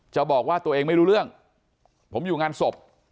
บอกว่าตัวเองไม่รู้เรื่องผมอยู่งานศพ